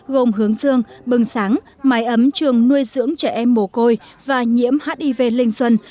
gồm hướng xương bừng sáng máy ấm trường nuôi dưỡng trẻ em mồ côi và nhiễm hiv linh xuân